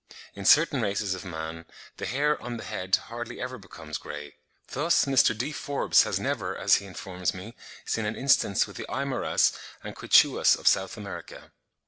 In certain races of man the hair on the head hardly ever becomes grey; thus Mr. D. Forbes has never, as he informs me, seen an instance with the Aymaras and Quichuas of South America.)